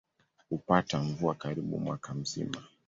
Hupata mvua karibu mwaka mzima.